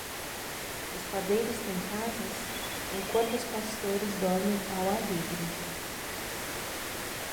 Os padeiros têm casas? enquanto os pastores dormem ao ar livre.